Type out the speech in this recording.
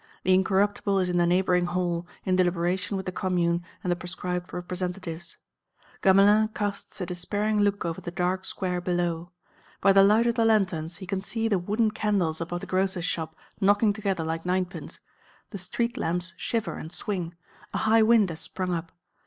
The Incorruptible is in the neighbouring Hall, in deliberation with the Commune and the proscribed representatives. Gamelin casts a despairing look over the dark Square below. By the light of the lanterns he can see the wooden candles above the grocer's shop knocking together like ninepins; the street lamps shiver and swing; a high wind has sprung up.